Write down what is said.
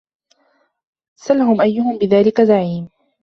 سَلهُم أَيُّهُم بِذلِكَ زَعيمٌ